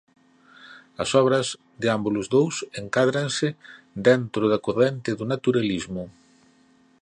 As obras de ambos os dous encádranse dentro da corrente do naturalismo.